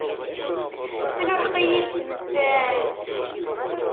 Tluḥeq-iyi-d tmettant.